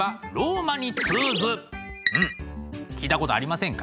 うん聞いたことありませんか？